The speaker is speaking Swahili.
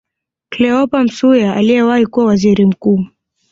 Cleopa Msuya aliyewahi kuwa Waziri Mkuu